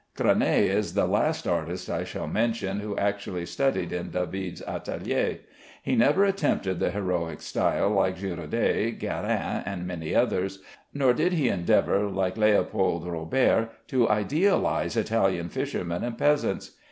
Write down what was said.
Granet is the last artist I shall mention who actually studied in David's atelier. He never attempted the heroic style like Girodet, Guérin, and many others, nor did he endeavor, like Leopold Robert, to idealize Italian fishermen and peasants.